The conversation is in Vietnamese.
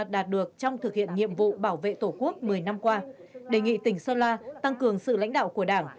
đạt được trong thực hiện nhiệm vụ bảo vệ tổ quốc một mươi năm qua đề nghị tỉnh sơn la tăng cường sự lãnh đạo của đảng